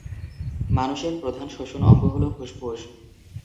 মানুষের প্রধান শ্বসন অঙ্গ হলো ফুসফুস।